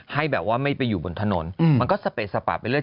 ให้แบบว่าไม่ไปอยู่บนถนนมันก็สเปสปะไปเรื